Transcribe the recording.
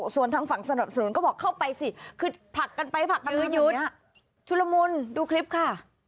ส่วนทางฝั่งสนับสนุนก็บอกเข้าไปสิคือผลักกันไปผลักกันหรือหยุดชุลมุนดูคลิปค่ะ